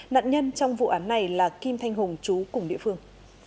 nạn nhân trong vụ án này là kim thanh hùng chú cùng địa phương